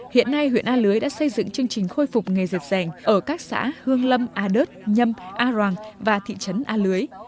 hiện nay huyện a lưới đã xây dựng chương trình khôi phục nghề dệt rèn ở các xã hương lâm a đớt nhâm a roàng và thị trấn a lưới